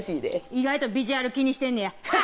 意外とビジュアル気にしてんねや。